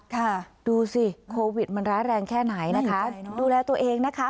ค่ะดูสิโควิดมันร้ายแรงแค่ไหนนะคะดูแลตัวเองนะคะ